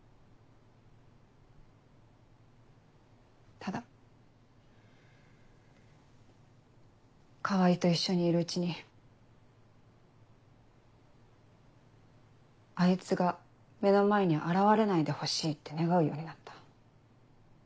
ただ川合と一緒にいるうちにあいつが目の前に現れないでほしいって願うようになった。